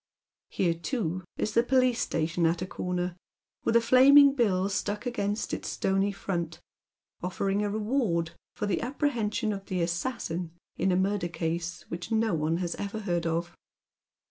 Here, too, is the police etation at a corner, with a flaming bill stuck against its stony front, offering a reward for the apprehension of tlie assassin in a murder case which no one has ever heard of.